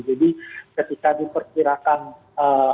jadi ketika diperkirakan calon tadi akan menang